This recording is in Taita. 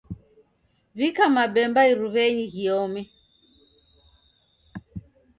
W'ika mabemba iruwenyi ghiome